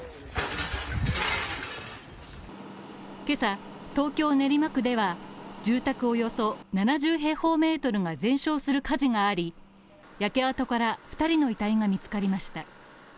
今朝、東京・練馬区では住宅およそ７０平方メートルが全焼する火事があり焼け跡から２人の遺体が見つかりました。